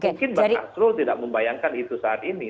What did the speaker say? mungkin bang asrul tidak membayangkan itu saat ini